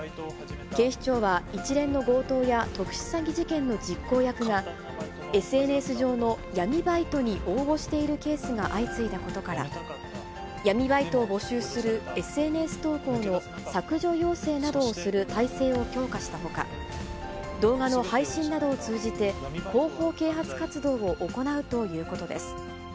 警視庁は一連の強盗や特殊詐欺事件の実行役が、ＳＮＳ上の闇バイトに応募しているケースが相次いだことから、闇バイトを募集するＳＮＳ投稿の削除要請などをする態勢を強化したほか、動画の配信などを通じて、広報啓発活動を行うということです。